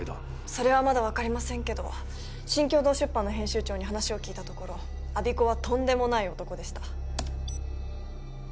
それはまだ分かりませんけど新京堂出版の編集長に話を聞いたところ我孫子はとんでもない男でしたＮＰＯ法人